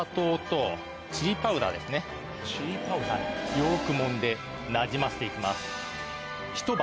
よくもんでなじませて行きます。